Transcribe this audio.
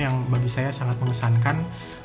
yang bagi saya sangat mengesankan